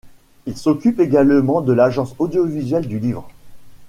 Il s'occupe également de l'Agence audiovisuelle du livre.